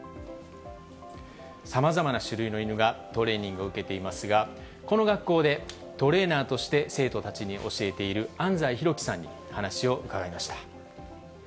さまざまな種類の犬がトレーニングを受けていますが、この学校でトレーナーとして生徒たちに教えている安齋裕己さんに話を伺いました。